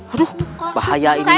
aduh bahaya ini mah